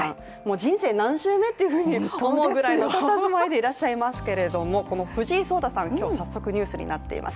人生、何周目？って思うぐらいのたたずまいなんですけれどもこの藤井聡太さん、今日早速ニュースになっています。